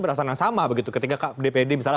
perasaan yang sama begitu ketika dpd misalnya